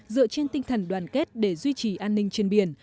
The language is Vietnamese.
dựa trên tinh thần đoàn kết để duy trì an ninh trên biển